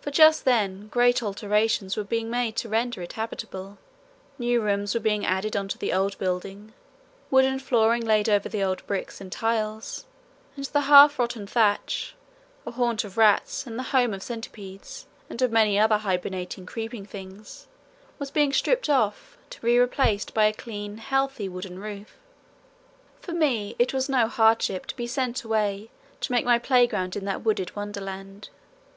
For just then great alterations were being made to render it habitable: new rooms were being added on to the old building, wooden flooring laid over the old bricks and tiles, and the half rotten thatch, a haunt of rats and the home of centipedes and of many other hybernating creeping things, was being stripped off to be replaced by a clean healthy wooden roof. For me it was no hardship to be sent away to make my playground in that wooded wonderland.